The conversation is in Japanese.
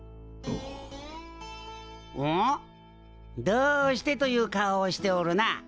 「どうして？」という顔をしておるな。